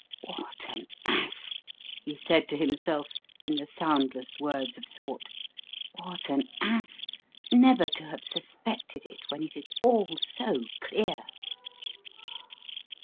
"What an ass!" he said to himself in the soundless words of thought "What an ass never to have suspected it when it is all so clear!"